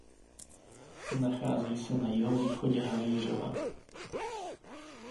Nachází se na jihovýchodě Havířova.